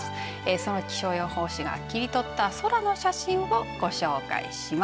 その気象予報士が切り取った空の写真をご紹介します。